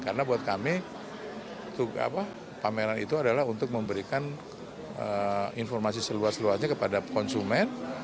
karena buat kami pameran itu adalah untuk memberikan informasi seluas luasnya kepada konsumen